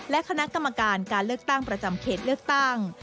และคณะกรรมการการเลือกตั้งประจำเขตเลือกตั้ง